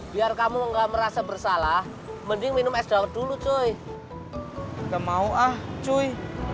biar kamu enggak merasa bersalah mending minum es daun dulu cuy ke mau ah cuy